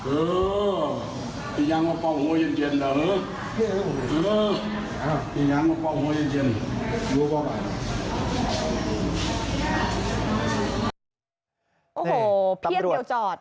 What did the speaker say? โอ้โหเพียบเดียวจอด